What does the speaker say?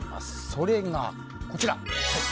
それが、こちら。